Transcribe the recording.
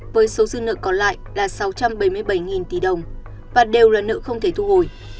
với số dư nợ còn lại là sáu trăm bảy mươi bảy tỷ đồng và đều là nợ không thể thu hồi